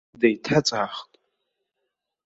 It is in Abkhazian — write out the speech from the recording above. Деиҭаҵаахт.